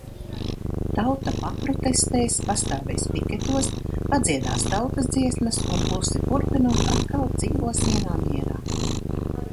Tauta paprotestēs, pastāvēs piketos, padziedās tautas dziesmas un klusi purpinot atkal dzīvos vienā mierā.